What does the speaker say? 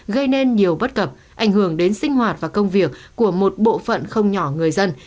gây nên nhiều bất cập ảnh hưởng đến sinh hoạt và công việc của một bộ phận không nhỏ người dân